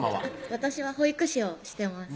私は保育士をしてます